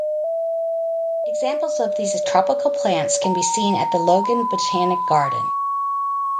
Examples of these tropical plants can be seen at the Logan Botanic Garden.